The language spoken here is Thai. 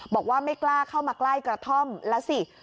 บอกว่าไม่กล้าเข้ามาใกล้กระท่อมแล้วสิ